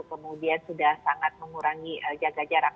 kemudian sudah sangat mengurangi jaga jarak